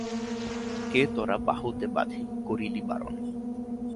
কে তোরা বাহুতে বাঁধি করিলি বারণ?